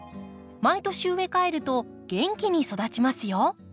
毎年植え替えると元気に育ちますよ。